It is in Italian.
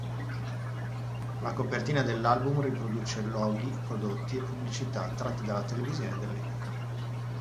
La copertina dell'album riproduce loghi, prodotti e pubblicità, tratte dalla televisione dell'epoca.